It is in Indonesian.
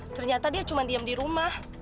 ternyata dia cuma diam di rumah